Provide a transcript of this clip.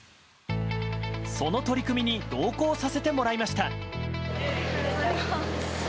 その取り組みに同行させてもらいました。